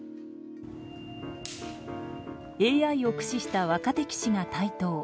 ＡＩを駆使した若手棋士が台頭。